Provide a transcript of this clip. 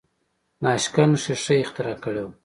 ناشکن ښیښه اختراع کړې وه.